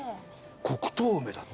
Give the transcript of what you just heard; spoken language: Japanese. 黒糖梅だって。